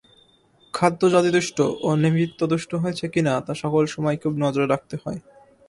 খাদ্য জাতিদুষ্ট ও নিমিত্তদুষ্ট হয়েছে কিনা, তা সকল সময়েই খুব নজর রাখতে হয়।